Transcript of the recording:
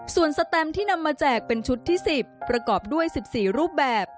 ส่วนสแตมที่นำมาแจกเป็นชุดที่๑๐ประกอบด้วย๑๔รูปแบบ